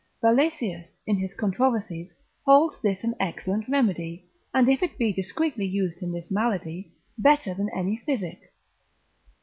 Valesius, in his controversies, holds this an excellent remedy, and if it be discreetly used in this malady, better than any physic.